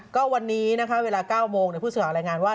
ก็วันนี้นะคะเวลา๙โมงผู้สื่อข่าวรายงานว่า